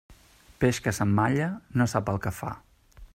Peix que s'emmalla, no sap el que fa.